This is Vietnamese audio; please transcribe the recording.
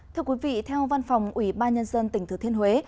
thưa quý vị theo văn phòng ủy ban nhân dân tỉnh thừa thiên huế